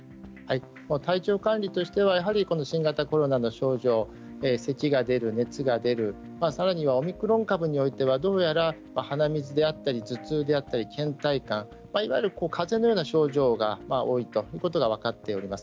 体調管理としてはやはり新型コロナの症状せきが出る、熱が出るさらにはオミクロン株においてはどうやら鼻水であったり、頭痛であったりけん怠感いわゆるかぜのような症状が多いということが分かっております。